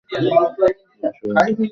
শেষ বর্ষে থাকাকালীন দলের অধিনায়কত্ব করেন।